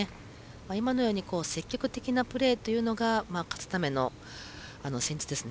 今のように積極的なプレーが勝つための戦術ですね。